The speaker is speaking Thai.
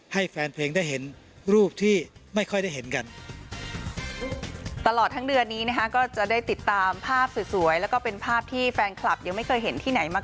ให้แฟนเพลงได้เห็นรูปที่ไม่ค่อยได้เห็นกัน